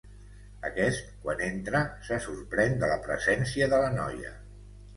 Aquest, quan entra, se sorprèn de la presència de la noia.